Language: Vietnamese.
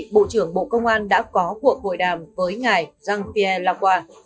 bộ trưởng bộ công an đã có cuộc hội đàm với ngài jean pierre lacroi